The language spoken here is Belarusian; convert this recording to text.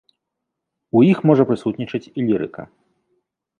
У іх можа прысутнічаць і лірыка.